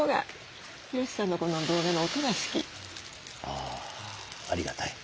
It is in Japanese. あありがたい。